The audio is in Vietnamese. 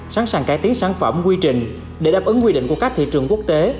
sẵn sàng cải tiến sản phẩm quy trình để đáp ứng quy định của các thị trường quốc tế